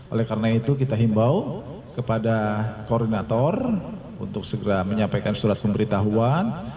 oleh karena itu kita himbau kepada koordinator untuk segera menyampaikan surat pemberitahuan